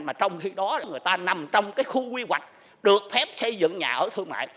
mà trong khi đó người ta nằm trong khu quy hoạch được phép xây dựng nhà ở thương mại